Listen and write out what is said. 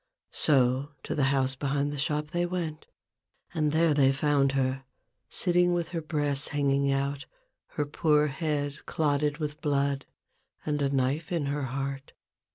So to the house behind the shop they went, and there they found her — sitting with her breasts hanging out, her poor head clotted with blood, and a knife in her heart.